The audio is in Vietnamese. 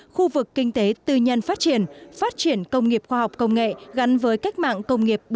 khu vực kinh tế tư nhân phát triển phát triển công nghiệp khoa học công nghệ gắn với cách mạng công nghiệp bốn